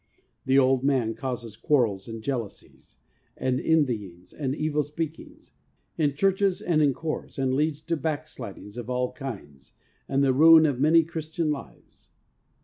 The ' old man ' causes quarrels and jealousies, and envyings and evil speakings, in Churches and in Corps, and leads to back slidings of all kinds, and the ruin of many Christian lives.